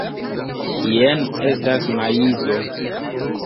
Jen estas maizo.